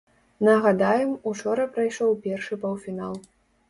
Нагадаем, учора прайшоў першы паўфінал.